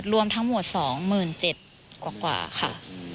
รวมทั้งหมดสองหมื่นเจ็ดกว่าค่ะ